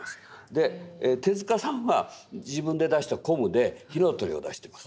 で手さんは自分で出した「ＣＯＭ」で「火の鳥」を出してます。